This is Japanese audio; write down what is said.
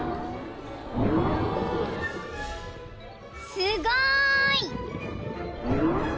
［すごい！］